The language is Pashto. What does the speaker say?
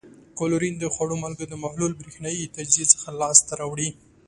کلورین د خوړو مالګې د محلول برېښنايي تجزیې څخه لاس ته راوړي.